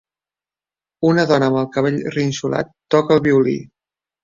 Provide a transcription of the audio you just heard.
Una dona amb el cabell rinxolat toca el violí